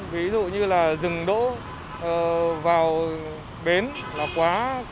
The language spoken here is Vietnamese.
ví dụ như là dừng đỗ vào bến là quá